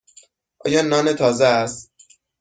آیا نان تازه است؟